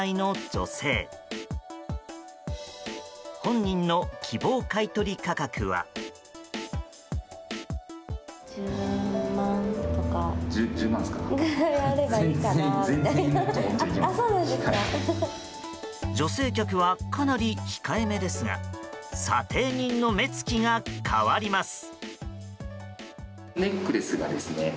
女性客は、かなり控えめですが査定人の目つきが変わります。